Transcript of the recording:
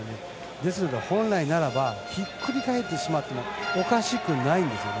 ですので、本来ならばひっくり返ってしまってもおかしくないんですよね。